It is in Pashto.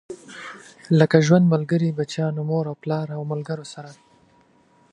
لکه له ژوند ملګري، بچيانو، مور او پلار او ملګرو سره.